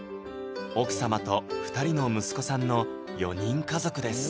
奥様と２人の息子さんの４人家族です